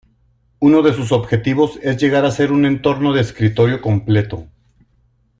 Uno de sus objetivos es llegar a ser un entorno de escritorio completo.